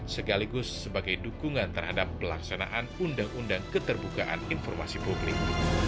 segaligus sebagai dukungan terhadap pelaksanaan undang undang keterbukaan informasi publik